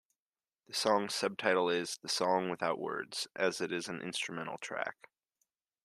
The song's subtitle is "The song without words", as it is an instrumental track.